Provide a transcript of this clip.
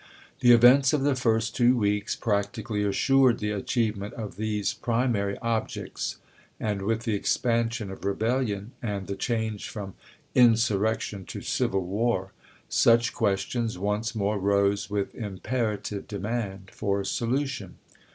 The events of the first two weeks practically assured the achievement of these pri mary objects, and with the expansion of rebellion, and the change 'from insurrection to civil war, such questions once more rose with imperative de mand for solution.